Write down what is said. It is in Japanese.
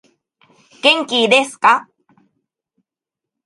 元気いですか